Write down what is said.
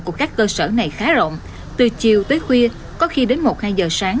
của các cơ sở này khá rộng từ chiều tới khuya có khi đến một hai giờ sáng